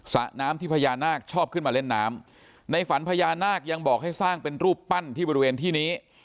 ระน้ำที่พญานาคชอบขึ้นมาเล่นน้ำในฝันพญานาคยังบอกให้สร้างเป็นรูปปั้นที่บริเวณที่นี้